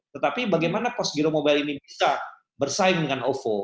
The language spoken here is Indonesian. tetapi bagaimana cost zero mobile ini bisa bersaing dengan ovo